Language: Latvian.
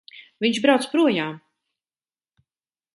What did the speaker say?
Viņš brauc projām!